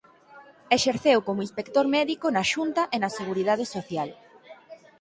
Exerceu como inspector médico na Xunta e na Seguridade Social.